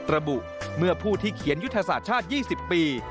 ระบุเมื่อผู้ที่เขียนยุทธศาสตร์ชาติ๒๐ปี